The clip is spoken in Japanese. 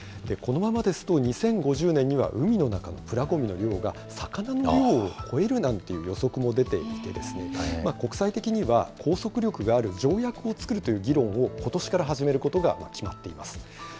このままですと、２０５０年には海の中のプラごみの量が魚の量を超えるなんていう予測も出ていて、国際的には、拘束力がある条約を作るという議論をことしから始めることが決まっています。